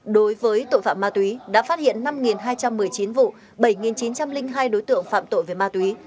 đối với tội phạm ma túy đã phát hiện năm hai trăm một mươi chín vụ bảy chín trăm linh hai đối tượng phạm tội về ma túy